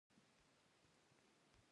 ازادي راډیو د طبیعي پېښې پرمختګ سنجولی.